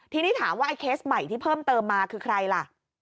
ทีนี้ถามว่าไอ้เคสใหม่ที่เพิ่มเติมมาคือใครล่ะ